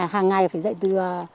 hàng ngày phải dậy từ